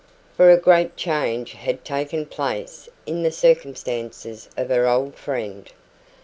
For a great change had taken place in the circumstances of her old friend.